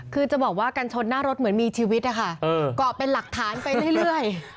คือจะบอกว่ากันชนหน้ารถเหมือนมีชีวิตนะคะก็เป็นหลักฐานไปเรื่อย